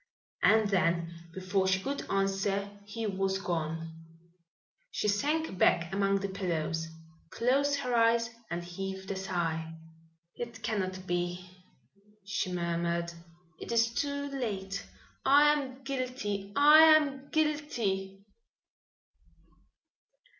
And then before she could answer he was gone. She sank back among the pillows, closed her eyes and heaved a sigh. "It cannot be!" she murmured. "It is too late! I am guilty! I am guilty!"